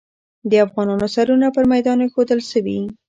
د افغانانو سرونه پر میدان ایښودل سوي.